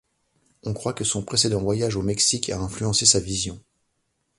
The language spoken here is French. On croit que son précédent voyage au Mexique a influencé sa vision.